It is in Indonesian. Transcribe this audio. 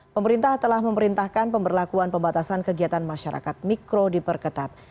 pemerintah telah memerintahkan pemberlakuan pembatasan kegiatan masyarakat mikro diperketat